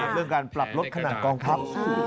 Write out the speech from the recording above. เรื่องการปรับลดขนาดกองทัพ